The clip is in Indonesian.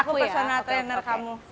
aku personal trainer kamu